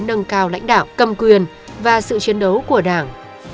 nâng cao lãnh đạo cầm quyền và sự chiến đấu của đảng